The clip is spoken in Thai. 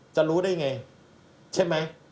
จะรู้ได้อย่างไรใช่ไหม